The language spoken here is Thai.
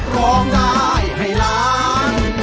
ลองได้ให้รัก